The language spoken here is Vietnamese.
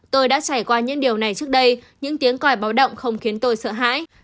tôi đã trải qua những điều này trước đây những tiếng còi báo động không khiến tôi sợ hãi